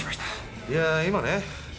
いやぁ今ね